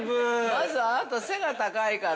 ◆まず、あなた背が高いから。